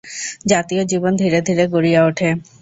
জাতীয় জীবন ধীরে ধীরে গড়িয়া উঠে।